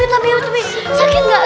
tami tami sakit gak